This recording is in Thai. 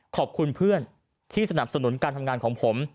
ขอบคุณเพื่อนที่สนับสนุนการทำงานของผม